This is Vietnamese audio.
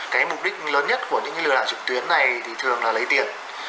cái mục đích lớn nhất của những lừa đảo trực tuyến này thì thường là lấy tiền